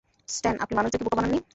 স্ট্যান, আপনি মানুষদেরকে বোকা বানাননি।